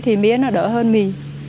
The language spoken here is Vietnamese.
thì mía nó đỡ hơn mì